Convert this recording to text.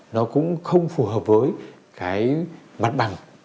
nó cũng không phù hợp với cái mặt bằng